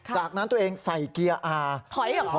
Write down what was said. จากนั้นตัวเองใส่เกียร์อ่าถอยอ่ะถอยอีก